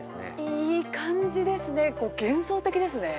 ◆いい感じですね、幻想的ですね。